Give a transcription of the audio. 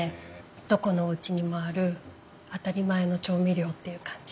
どこのおうちにもある当たり前の調味料っていう感じ。